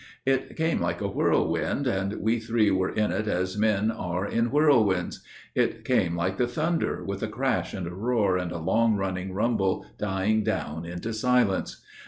It came like a whirlwind, and we three were in it As men are in whirlwinds. It came like the thunder, With a crash and a roar and a long running rumble Dying down into silence.